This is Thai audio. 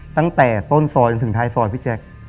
ตั้งแต่ต้นซอยจนถึงท้ายซอยพี่แจ๊ค